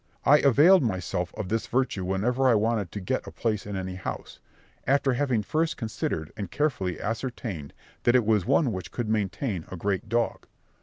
I availed myself of this virtue whenever I wanted to get a place in any house, after having first considered and carefully ascertained that it was one which could maintain a great dog.